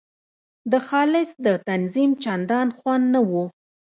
د خالص د تنظیم چندان خوند نه وو.